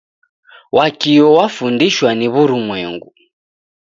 Wakio wafundishwa ni wurumwengu.